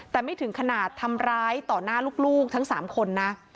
แต่ไม่ถึงขนาดทำร้ายต่อหน้าลูกทั้ง๓คนนะ